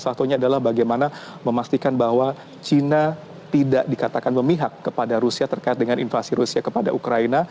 satunya adalah bagaimana memastikan bahwa china tidak dikatakan memihak kepada rusia terkait dengan invasi rusia kepada ukraina